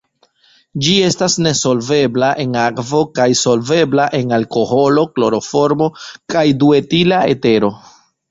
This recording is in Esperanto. Ĝi estas nesolvebla en akvo kaj solvebla en alkoholo, kloroformo kaj duetila etero.